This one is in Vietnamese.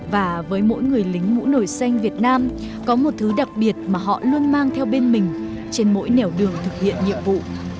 và với mỗi người lính mũ nổi xanh việt nam có một thứ đặc biệt mà họ luôn mang theo bên mình trên mỗi nẻo đường thực hiện nhiệm vụ